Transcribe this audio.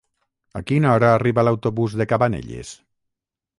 A quina hora arriba l'autobús de Cabanelles?